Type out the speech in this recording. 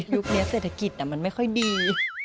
ยุคนี้เศรษฐกิจมันไม่ค่อยดี